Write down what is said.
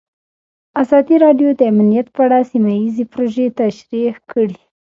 ازادي راډیو د امنیت په اړه سیمه ییزې پروژې تشریح کړې.